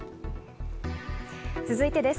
続いてです。